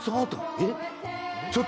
えっ？